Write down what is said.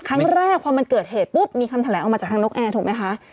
ครั้งแรกพอมันเกิดเหตุปุ๊บมีคำแถลงออกมาจากทางนกแอร์ถูกไหมคะ